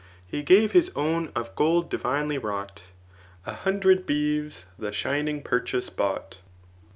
He gave his own of gold divinelf wrought, A hundred beeves the shining purchase bought.